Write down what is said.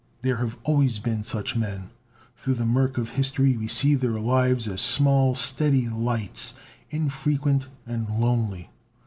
There have always been such men. Through the murk of history we see their lives as small, steady lights, infrequent and lonely.